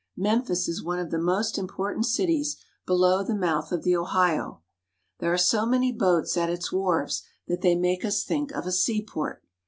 Memphis is one of the most important cities below the mouth of the Ohio. There are so many boats at its wharves that they make us think of a seaport.